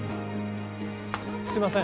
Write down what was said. すいません